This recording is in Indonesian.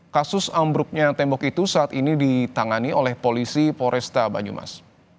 kasus ambruknya tembok itu saat ini ditangani oleh polisi poresta banyumas